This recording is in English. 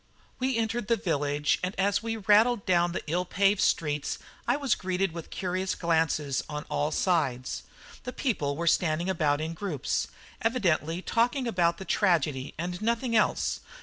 We entered the village, and as we rattled down the ill paved streets I was greeted with curious glances on all sides. The people were standing about in groups, evidently talking about the tragedy and nothing else.